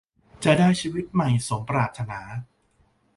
จะได้ชีวิตใหม่สมปรารถนา